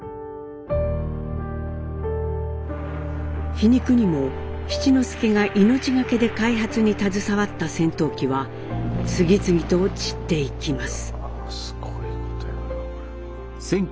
皮肉にも七之助が命懸けで開発に携わった戦闘機は次々と散っていきます。